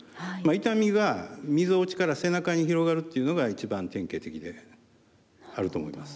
痛みはみぞおちから背中に広がるっていうのが一番典型的であると思います。